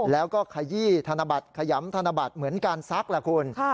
แล้วก็ขยี้ธนบัตรขยำธนบัตรเหมือนการซักล่ะคุณ